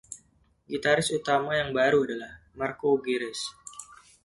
Gitaris utama yang baru adalah Marco Gerace.